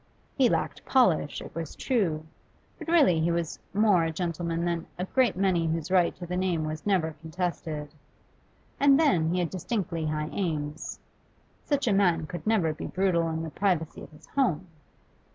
He lacked polish, it was true, but really he was more a gentleman than a great many whose right to the name was never contested. And then he had distinctly high aims: such a man could never be brutal in the privacy of his home.